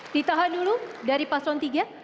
ditahan dulu dari paslon tiga